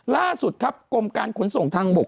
ล่าสุดครับกรมการขนส่งทางบก